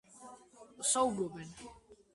მათ აქვთ ერთიანი კულტურა და საუბრობენ ნიდერლანდურად.